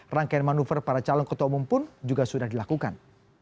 rangkaian manuver para calon ketua umum pun juga sudah dilakukan